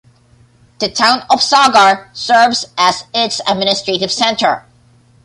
The town of Sagar serves as its administrative center.